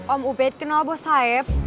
om ubed kenal bos saif